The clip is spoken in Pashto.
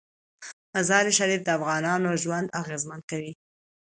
مزارشریف د افغانانو ژوند اغېزمن کوي.